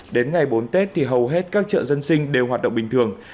đến ngày bốn tết thì hầu hết các chợ dân sinh đều hoạt động bình thường